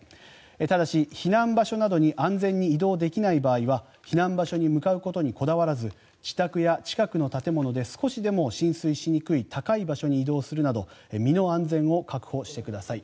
ただし、避難場所などに安全に移動できない場合は避難場所に向かうことにこだわらず自宅や近くの建物で少しでも浸水しにくい高い場所に移動するなど身の安全を確保してください。